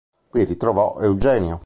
Qui ritrovò Eugenio.